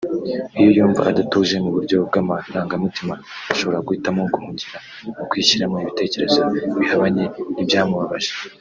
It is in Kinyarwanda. Iyo yumva adatuje mu buryo bw’amarangamutima ashobora guhitamo guhungira mu kwishyiramo ibitekerezo bihabanye n’ibyamubabaje